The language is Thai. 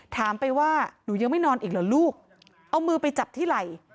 ถามไปว่าหนูยังไม่นอนอีกเหรอลูกเอามือไปจับที่ไหล่